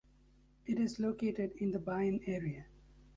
It is located in the Bayan area.